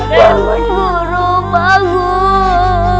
burung burung bangun